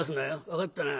分かったな？」。